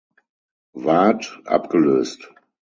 Ward abgelöst.